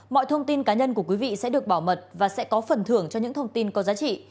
mọi thông tin cá nhân của quý vị sẽ được bảo mật và sẽ có phần thưởng cho những thông tin có giá trị